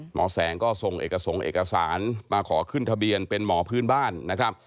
หมอแสงก็ส่งเอกสงค์เอกสารมาขอขึ้นทะเบียนเป็นหมอพื้นบ้านนะครับ